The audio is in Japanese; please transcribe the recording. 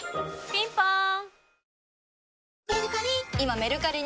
ピンポーン